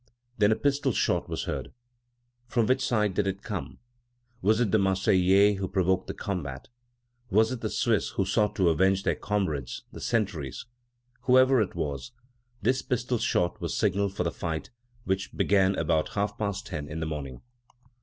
Then a pistol shot was heard. From which side did it come? Was it the Marseillais who provoked the combat? Was it the Swiss who sought to avenge their comrades, the sentries? Whoever it was, this pistol shot was the signal for the fight, which began about half past ten in the morning.